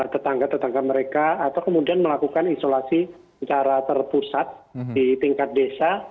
tetangga tetangga mereka atau kemudian melakukan isolasi secara terpusat di tingkat desa